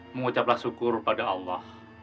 mengucapkan syukur kepada allah